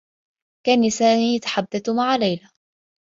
كان سامي يتحدّث مع ليلى.